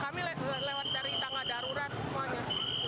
kami lewat dari tangga darurat semuanya